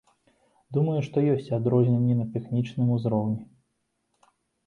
Думаю, што ёсць адрозненні на тэхнічным узроўні.